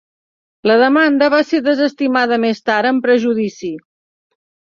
La demanda va ser desestimada més tard amb prejudici.